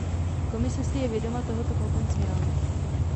Komise si je vědoma tohoto potenciálu.